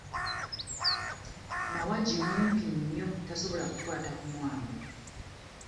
Mawagi mumpi nnyo tasobola kukwata ku mwango.